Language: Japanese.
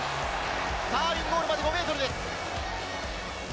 インゴールまで５ｍです。